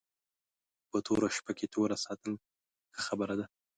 په توره شپه کې توره ساتل ښه خبره ده